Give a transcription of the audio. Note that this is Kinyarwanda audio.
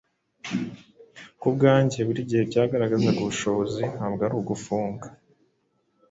kubwanjye buri gihe byagaragazaga ubushobozi ntabwo ari ugufunga.